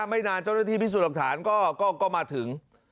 ไม่นานเจ้าหน้าที่พิสูจน์หลักฐานก็มาถึง